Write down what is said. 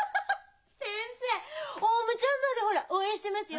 先生オウムちゃんまでほら応援してますよ。